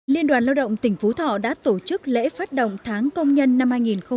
liên đoàn lao động tỉnh phú thọ đã tổ chức lễ phát động tháng công nhân năm hai nghìn hai mươi